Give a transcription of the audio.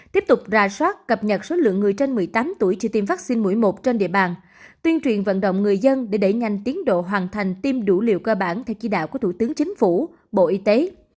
tiếp tục ra soát cập nhật số lượng người trên một mươi tám tuổi chưa tiêm vaccine mũi một trên địa bàn tuyên truyền vận động người dân để đẩy nhanh tiến độ hoàn thành tiêm đủ liều cơ bản theo chỉ đạo của thủ tướng chính phủ bộ y tế